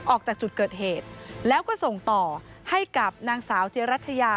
ออกจากจุดเกิดเหตุแล้วก็ส่งต่อให้กับนางสาวเจรัชยา